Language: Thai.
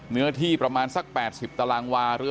เนื้อที่ประมาณสัก๘๐ตารางวา